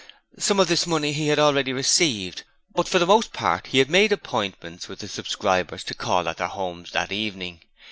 Some of this money he had already received, but for the most part he had made appointments with the subscribers to call at their homes that evening.